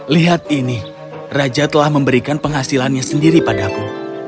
lihat ini raja telah memberikan penghasilannya sendiri padaku